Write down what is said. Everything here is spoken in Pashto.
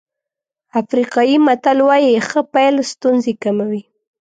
افریقایي متل وایي ښه پيل ستونزې کموي.